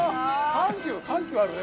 緩急緩急あるね